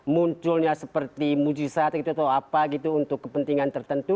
munculnya seperti mujizat gitu atau apa gitu untuk kepentingan tertentu